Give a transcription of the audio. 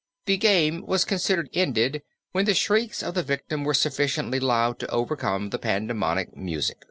The 'game' as considered ended when the shrieks of the victims were sufficiently loud to overcome the pandemonic music."